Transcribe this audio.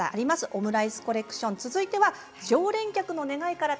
オムライスコレクション続いては常連客の願いから誕生した。